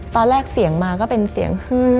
ตอนแรกเสียงมาก็เป็นเสียงฮือ